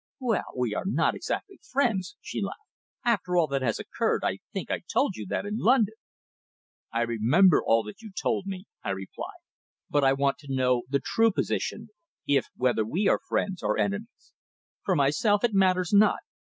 "Well, we are not exactly friends," she laughed, "after all that has occurred. I think I told you that in London." "I remember all that you told me," I replied. "But I want to know the true position, if whether we are friends, or enemies? For myself, it matters not.